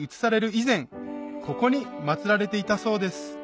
以前ここに祭られていたそうです